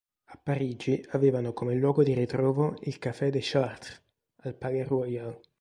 A Parigi avevano come luogo di ritrovo il Café de Chartres, al Palais Royal.